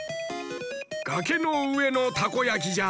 がけのうえのたこやきじゃ。